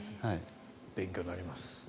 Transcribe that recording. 勉強になります。